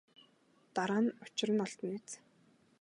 Дараа нь учир нь олдоно биз.